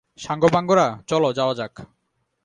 সাঙ্গপাঙ্গরা, চলো যাওয়া যাক।